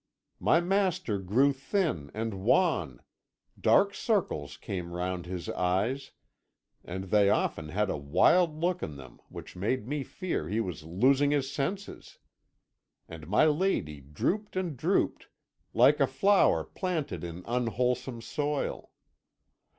My master grew thin and wan; dark circles came round his eyes, and they often had a wild look in them which made me fear he was losing his senses. And my lady drooped and drooped, like a flower planted in unwholesome soil.